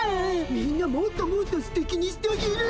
みんなもっともっとすてきにしてあげる！